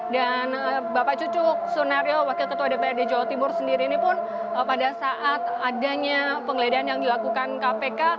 dan bapak cucu sunario wakil ketua dprd jawa timur sendiri ini pun pada saat adanya pengledahan yang dilakukan kpk